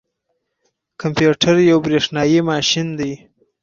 کمپيوټر یو بریښنايي ماشین دی